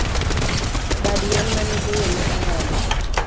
Bad yien mane boyo ne ong'adi